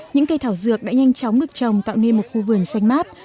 những cây thảo dược đã nhanh chóng được trồng tạo nên một khu vườn xanh mát